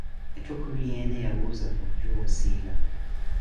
Etthu khuluyeene yawuuza ocuwa osiila.